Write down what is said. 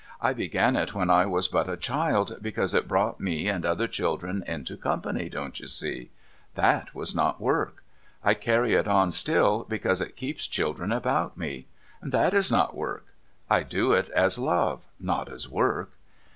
' I began it when I was but a child, because it brought me and other children into company, don't you see ? T/iaf was not work. I carry it on still, because it keeps children about me. T/iaf is not work. I do it as love, not as work.